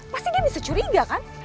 pasti dia bisa curiga kan